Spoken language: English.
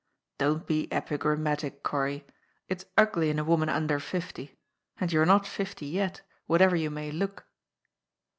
" Don't be epigrammatic, Corry. It's ugly in a woman under fifty. And you're not fifty yet, whatever you may look."